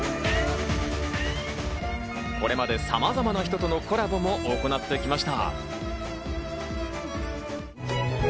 これまで様々な人とのコラボも行ってきました。